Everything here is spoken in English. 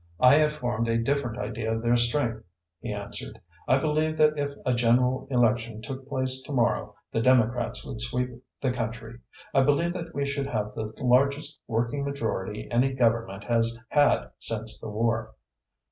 "I have formed a different idea of their strength," he answered. "I believe that if a general election took place to morrow, the Democrats would sweep the country. I believe that we should have the largest working majority any Government has had since the war."